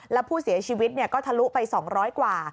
และผู้เสียชีวิตก็ทะลุไป๒๐๐กว่า